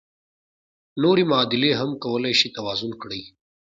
نورې معادلې هم کولای شئ توازن کړئ.